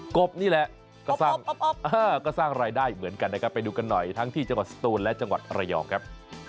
กบนี่แหละก็สร้างรายได้เหมือนกันนะครับไปดูกันหน่อยทั้งที่จังหวัดสตูนและจังหวัดระยองครับ